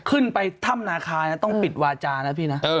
ขึ้นไปถ้ำนาคายนะต้องปิดวาจานะพี่นะ